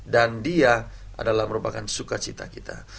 dan dia adalah merupakan sukacita kita